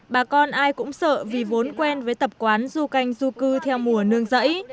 bà con ai cũng sợ vì vốn quen với tập quán du canh du cư theo mùa nương rẫy